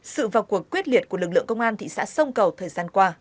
sự vào cuộc quyết liệt của lực lượng công an thị xã sông cầu thời gian qua